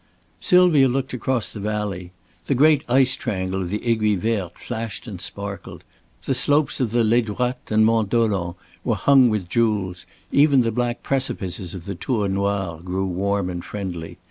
Sylvia looked across the valley. The great ice triangle of the Aiguille Verte flashed and sparkled. The slopes of the Les Droites and Mont Dolent were hung with jewels; even the black precipices of the Tour Noir grew warm and friendly.